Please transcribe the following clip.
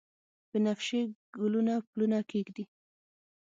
بنفشیې ګلونه پلونه کښیږدي